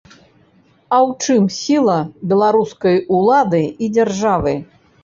А ў чым сіла беларускай улады і дзяржавы?